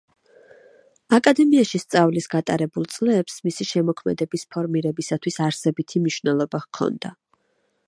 აკადემიაში სწავლის გატარებულ წლებს მისი შემოქმედების ფორმირებისათვის არსებითი მნიშვნელობა ჰქონდა.